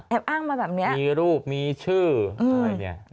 แอบอ้างมาแบบนี้มีรูปมีชื่ออะไรอย่างนี้